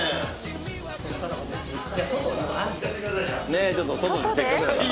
ねえちょっと外でせっかくだから。